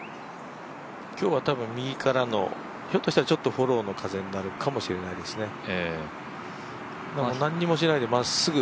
今日は多分、右からのひょっとしたらフォローの風になるかもしれないですね。